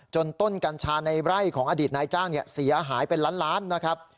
ต้นกัญชาในไร่ของอดีตนายจ้างเสียหายเป็นล้านล้านนะครับ